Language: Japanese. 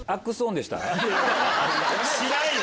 知らんよ！